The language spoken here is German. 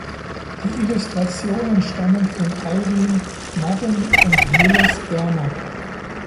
Die Illustrationen stammen von Alvin Madden und Miles Germer.